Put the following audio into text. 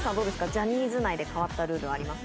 ジャニーズ内で変わったルールありますか？